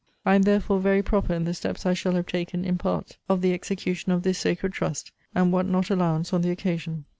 I am therefore very proper in the steps I shall have taken in part of the execution of this sacred trust; and want not allowance on the occasion.